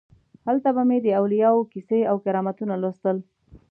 هلته به مې د اولیاو کیسې او کرامتونه لوستل.